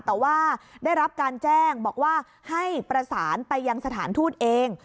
แต่ว่าได้รับการแจ้งบอกว่าให้ประสานไปยังสถานทูตเอง